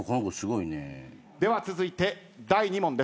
では続いて第２問です。